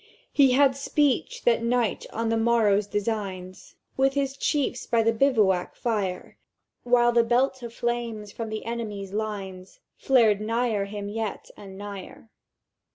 "He had speech that night on the morrow's designs With his chiefs by the bivouac fire, While the belt of flames from the enemy's lines Flared nigher him yet and nigher.